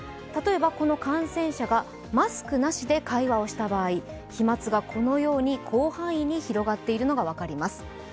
例えばこの感染者がマスクなしで会話をした場合、飛まつが広範囲に広がっているのが分かります。